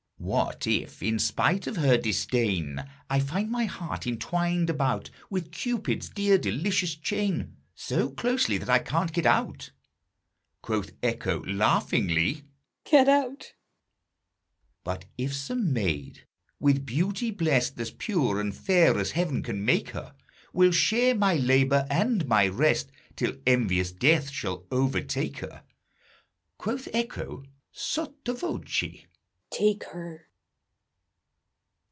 What if, in spite of her disdain, I find my heart intwined about With Cupid's dear delicious chain So closely that I can't get out? Quoth Echo, laughingly, "Get out!" But if some maid with beauty blest, As pure and fair as Heaven can make her, Will share my labor and my rest Till envious Death shall overtake her? Quoth Echo (sotto voce), "Take her!"